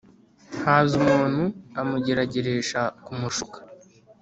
haza umuntu, amugerageresha kumushuka